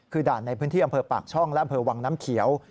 คือด่านในพื้นที่อำเภอปากช่องและอำเภอวังน้ำเขียว